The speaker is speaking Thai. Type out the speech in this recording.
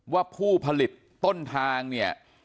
ว่าผู้ผลิตต้นทางเนี่ย